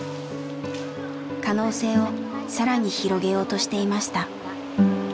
可能性を更に広げようとしていました。